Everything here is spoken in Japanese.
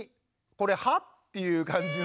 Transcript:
これ歯？っていう感じのね。